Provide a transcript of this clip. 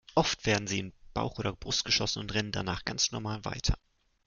Oft werden sie in Bauch oder Brust geschossen und rennen danach ganz normal weiter.